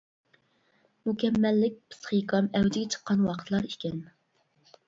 مۇكەممەللىك پىسخىكام ئەۋجىگە چىققان ۋاقىتلار ئىكەن.